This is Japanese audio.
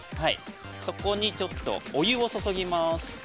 そこにちょっとお湯を注ぎます。